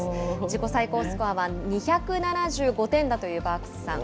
自己最高スコアは２７５点だというバークスさん。